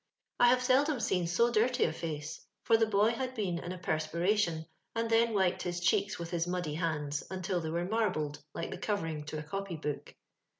I have aeldom seen to dirtj a fooe, for the boy had been in a pernir. atioL and then wiped hia oheeka with nia moddj handa, nntil thegr were marbled, like the oorering to a eopj'book.